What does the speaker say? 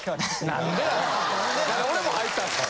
何で俺も入ったんすか？